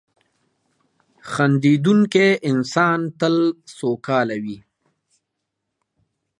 • خندېدونکی انسان تل سوکاله وي.